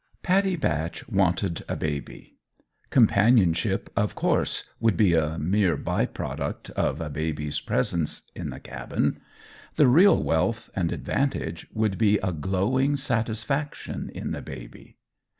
Pattie Batch wanted a baby. Companionship, of course, would be a mere by product of a baby's presence in the cabin; the real wealth and advantage would be a glowing satisfaction in the baby.